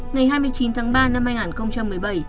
ngày hai mươi chín tháng ba năm hai nghìn một mươi bảy